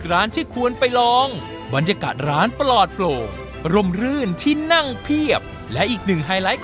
มันอยู่ข้างหน้าถึงแล้วเนี่ย